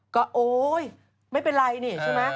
ก็โอ๊ยไม่เป็นไรนี่ใช่ไหม